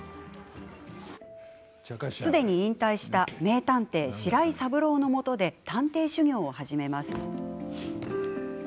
すでに引退した名探偵、白井三郎のもとで探偵修業を始めます。